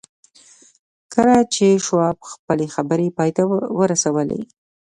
کله چې شواب خپلې خبرې پای ته ورسولې.